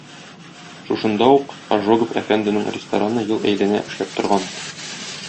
Шушында ук Ожегов әфәнденең рестораны ел әйләнә эшләп торган.